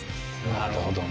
なるほどね。